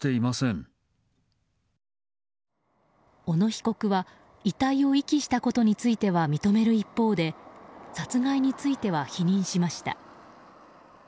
小野被告は遺体を遺棄したことについては認める一方で殺害については否認しました。